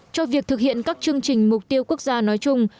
cho việc thực hiện các chương trình mục tiêu quốc gia nói chung